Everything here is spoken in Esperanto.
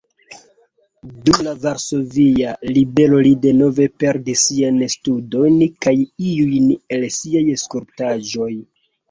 Dum la Varsovia Ribelo li denove perdis sian studion kaj iujn el siaj skulptaĵoj.